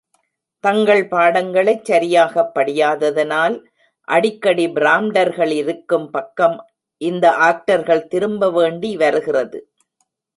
தங்கள் பாடங்களைச் சரியாகப் படியாததனால் அடிக்கடி பிராம்டர்களிருக்கும் பக்கம் இந்த ஆக்டர்கள் திரும்ப வேண்டி வருகிறது.